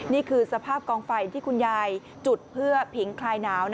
นี่คือสภาพกองไฟที่คุณยายจุดเพื่อผิงคลายหนาว